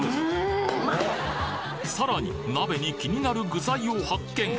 さらに鍋に気になる具材を発見！